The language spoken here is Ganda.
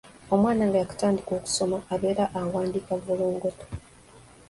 Omwana nga yaakatandika okusoma abeera awandiika vvolongoto.